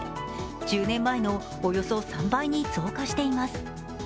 １０年前のおよそ３倍に増加しています。